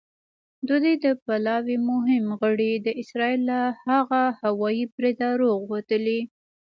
د دوی د پلاوي مهم غړي د اسرائیل له هغه هوايي بریده روغ وتلي.